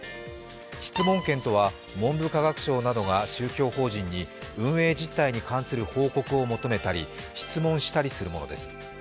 質問権とは文部科学大臣などが宗教法人に運営実態に関する報告を求めたり質問したりするものです。